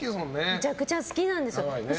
めちゃくちゃ好きなんですよ。